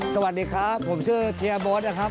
สวัสดีครับผมชื่อเฮียโบ๊ทนะครับ